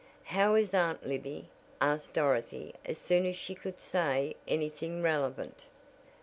"How is Aunt Libby?" asked Dorothy as soon as she could say anything relevant.